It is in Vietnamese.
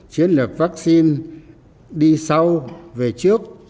chiến lược vắc xin đi sau về trước